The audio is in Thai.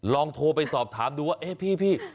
ลองโทรไปสอบถามดูว่าเอ๊ะพี่